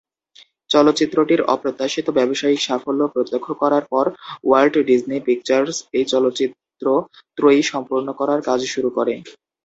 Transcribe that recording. চলচ্চিত্রটির অপ্রত্যাশিত ব্যবসায়িক সাফল্য প্রত্যক্ষ করার পর ওয়াল্ট ডিজনি পিকচার্স এই চলচ্চিত্র ত্রয়ী সম্পূর্ণ করার কাজ শুরু করে।